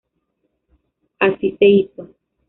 Así se hizo.